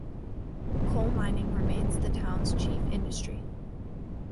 Coal mining remains the town's chief industry.